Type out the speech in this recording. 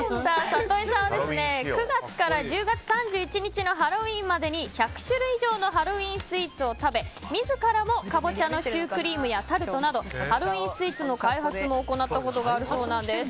里井さんは９月から１０月３１日のハロウィーンまでに１００種類以上のハロウィーンスイーツを食べ自らもカボチャのシュークリームやタルトなどハロウィーンスイーツの開発を行ったことがあるそうです。